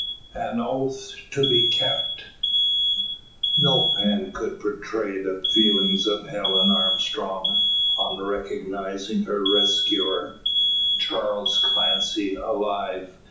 AN OATH TO BE KEPT. No pen could portray the feelings of Helen Armstrong, on recognising her rescuer. Charles Clancy alive!